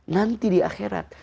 nanti di akhirat